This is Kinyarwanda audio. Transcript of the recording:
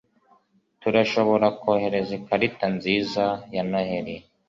turashobora kohereza ikarita nziza ya noheri